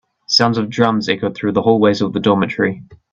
Sounds of drums echoed through the hallways of the dormitory.